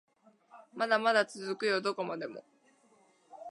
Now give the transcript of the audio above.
まだまだ続くよどこまでも